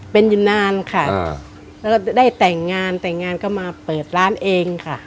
เป็นอยู่นานค่ะแล้วก็ได้แต่งงานแต่งงานก็มาเปิดร้านเองค่ะ